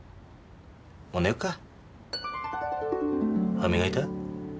歯磨いた？